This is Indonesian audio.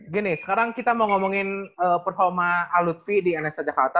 gini sekarang kita mau ngomongin performa alutfi di nsr jakarta